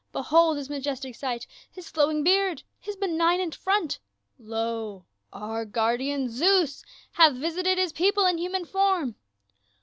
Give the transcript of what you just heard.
" Be hold his majestic height, his flowing beard, his benig nant front. Lo, our guardian Zeus hath visited his people in human form